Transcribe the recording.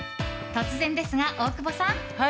突然ですが、大久保さん。